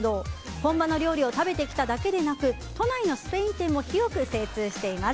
本場の料理を食べてきただけでなく都内のスペイン店を広く精通しています。